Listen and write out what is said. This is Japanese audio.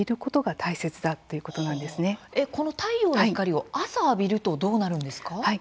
太陽の光を朝浴びるとどうなるんですか。